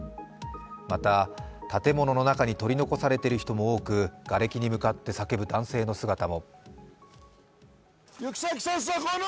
また、建物の中に取り残されている人も多く、がれきに向かって叫ぶ男性の姿も。